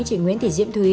chị nguyễn thị diễm thúy